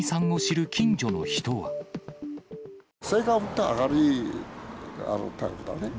性格は明るいタイプだね。